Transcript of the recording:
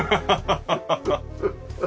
ハハハハハ。